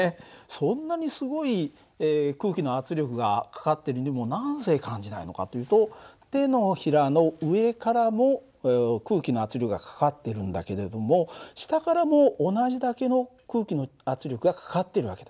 そんなにすごい空気の圧力がかかってるにもなぜ感じないのかというと手のひらの上からも空気の圧力がかかっているんだけれども下からも同じだけの空気の圧力がかかっている訳だ。